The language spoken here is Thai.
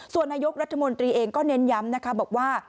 ส่วนนายกรัฐมนตรีเองก็เน้นย้ำนะคะบอกว่า